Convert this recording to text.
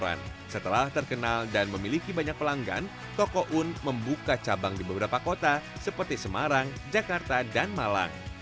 untuk menjaga keuntungan toko un memiliki beberapa kota seperti semarang jakarta dan malang